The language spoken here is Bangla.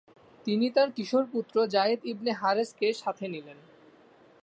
তিনি তার কিশোর পুত্র যায়েদ ইবনে হারেছাকে সাথে নিলেন।